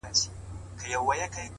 امید انسان ژوندی ساتي’